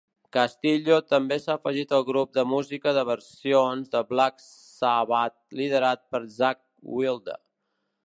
Castillo també s'ha afegit al grup de música de versions de Black Sabbath liderat per Zakk Wylde.